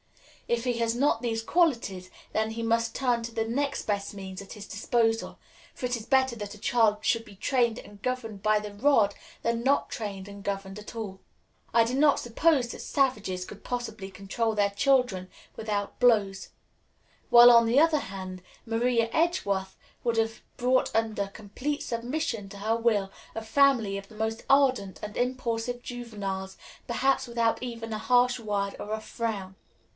If he has not these qualities, then he must turn to the next best means at his disposal; for it is better that a child should be trained and governed by the rod than not trained and governed at all. I do not suppose that savages could possibly control their children without blows; while, on the other hand, Maria Edgeworth would have brought under complete submission to her will a family of the most ardent and impulsive juveniles, perhaps without even a harsh word or a frown.